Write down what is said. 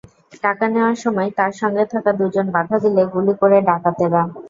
টাকা নেওয়ার সময় তাঁর সঙ্গে থাকা দুজন বাধা দিলে গুলি করে ডাকাতেরা।